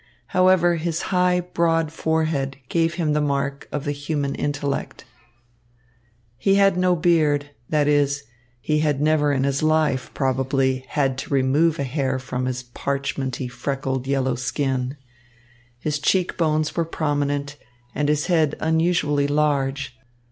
However, his high, broad forehead gave him the mark of the human intellect. He had no beard, that is, he had never in his life, probably, had to remove a hair from his parchmenty, freckled, yellow skin. His cheek bones were prominent, and his head unusually large.